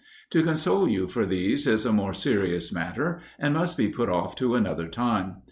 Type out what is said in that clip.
To console you for these is a more serious matter, and must be put off to another time.